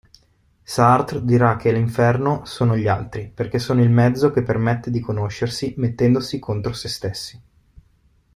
Sartre dirà che l'inferno sono gli altri perché sono il mezzo che permette di conoscersi mettendosi contro sé stessi.